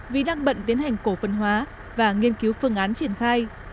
vì đang bận tiến hành cổ phần hóa và nghiên cứu phương án triển khai